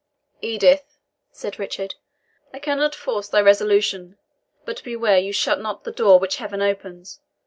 "Edith," said Richard, "I cannot force thy resolution; but beware you shut not the door which Heaven opens.